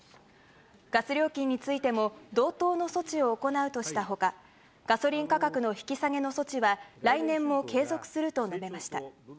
ガス料金についても、同等の措置を行うとしたほか、ガソリン価格の引き下げの措置は来年も継続すると述べました。